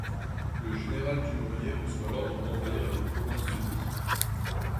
Le général Dumouriez reçoit l'ordre d'envahir les Provinces-Unies.